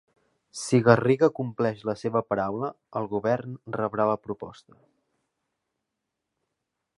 Si Garriga compleix la seva paraula, el Govern rebrà la proposta.